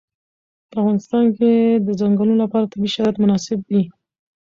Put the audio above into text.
په افغانستان کې د ځنګلونه لپاره طبیعي شرایط مناسب دي.